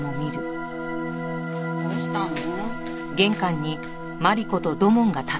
どうしたの？